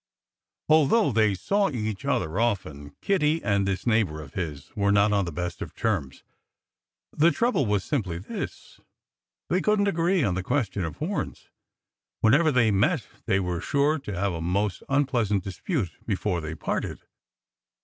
Although they saw each other often, Kiddie and this neighbor of his were not on the best of terms. The trouble was simply this: they couldn't agree on the question of horns. Whenever they met they were sure to have a most unpleasant dispute before they parted.